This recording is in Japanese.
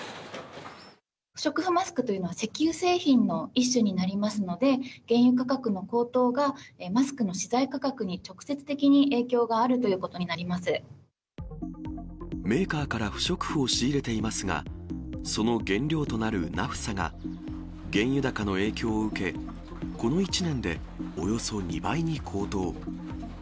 不織布マスクというのは、石油製品の一種になりますので、原油価格の高騰がマスクの資材価格に直接的に影響があるというこメーカーから不織布を仕入れていますが、その原料となるナフサが、原油高の影響を受け、この１年でおよそ２倍に高騰。